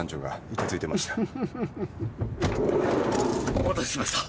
お待たせしました。